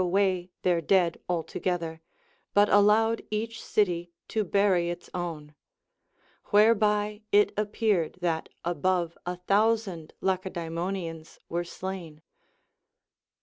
away their dead altogether, but allowed each city to bury its ΟΛνη ; whereby it appeared that above a thousand Lacedaemonians were slain.